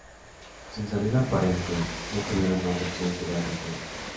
Sin salida aparente, no tuvieron más opción que dar batalla.